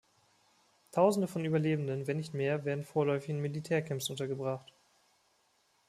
Tausende von Überlebenden, wenn nicht mehr, werden vorläufig in Militärcamps untergebracht.